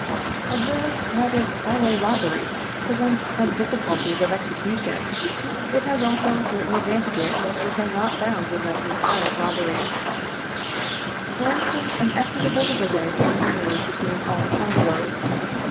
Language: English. Observe, that if highway robbery presents some difficulties of execution, it has also certain advantages which are not found in the tariff robbery. For instance: An equitable division can be made between all the plunderers.